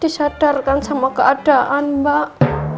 disadarkan sama keadaan mbak